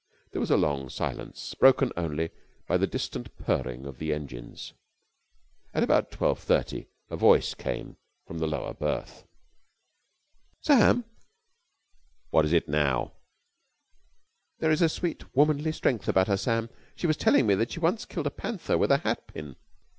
There was a long silence, broken only by the distant purring of engines. At about twelve thirty a voice came from the lower berth. "Sam!" "What is it now?" "There is a sweet womanly strength about her, Sam. She was telling me she once killed a panther with a hat pin."